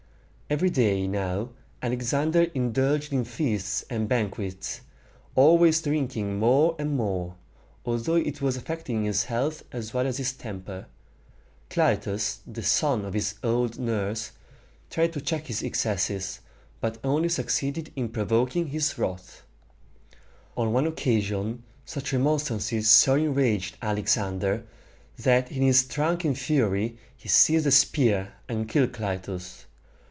Every day now Alexander indulged in feasts and banquets, always drinking more and more, although it was affecting his health as well as his temper. Clytus, the son of his old nurse, tried to check his excesses, but only succeeded in provoking his wrath. On one occasion such remonstrances so enraged Alexander, that in his drunken fury he seized a spear and killed Clytus.